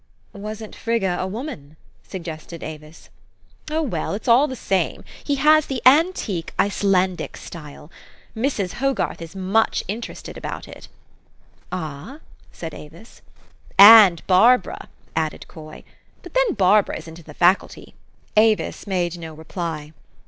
" Wasn't Frigga a woman? " suggested Avis. " Oh, well ! it's all the same. He has the antique, Icelandic style. Mrs. Hogarth is much interested about it." 4 'Ah!" said Avis. '' And Barbara, " added Coy. < c 'But then Barbara isn't in the Faculty." Avis made no reply.